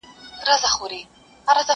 چاویل چي چوروندک د وازګو ډک دی!